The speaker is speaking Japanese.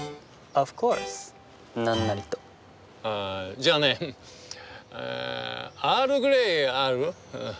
じゃあねアールグレイある？